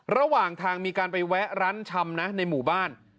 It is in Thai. ระหว่างทางมีการไปแวะร้านชำนะในหมู่บ้าน